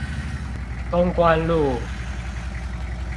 東關路